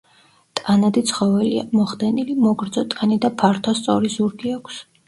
ტანადი ცხოველია, მოხდენილი, მოგრძო ტანი და ფართო სწორი ზურგი აქვს.